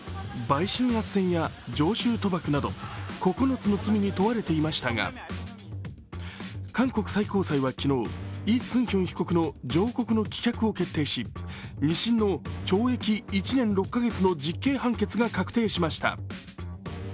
売春あっせんや常習賭博など９つの罪に問われていましたが韓国最高裁は昨日、イ・スンヒョン被告の上告の棄却を決定し２審の懲役１年６カ月の実刑判決が確定しました。